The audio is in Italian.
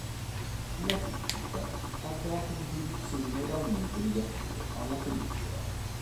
La critica ha dato un giudizio generalmente negativo alla pellicola.